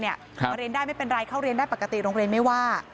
มาเรียนได้ไม่เป็นไรเข้าเรียนได้ปกติโรงเรียนไม่ว่า